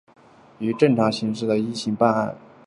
与正常形势下的依法办案、履行监督职责要求